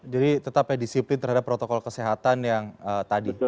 jadi tetapnya disiplin terhadap protokol kesehatan yang tadi